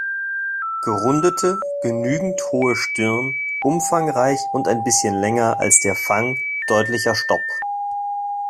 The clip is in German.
Gerundete, genügend hohe Stirn, umfangreich und ein bisschen länger als der Fang, deutlicher Stopp.